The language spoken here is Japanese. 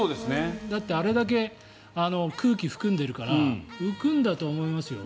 だって、あれだけ空気含んでるから浮くんだと思いますよ。